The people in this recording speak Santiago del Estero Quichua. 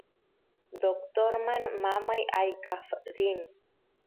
doctorman mamay aykaf rin